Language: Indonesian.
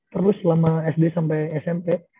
terus selama sd sampai smp